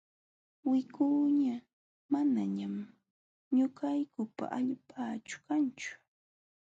Wikuña manañam ñuqaykupa allpaaćhu kanchu.